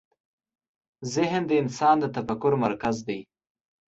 ذهن د انسان د تفکر مرکز دی.